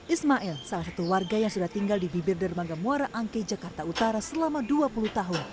ismail salah satu warga yang sudah tinggal di bibir dermaga muara angke jakarta utara selama dua puluh tahun